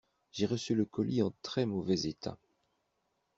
J'ai reçu le colis en très mauvais état.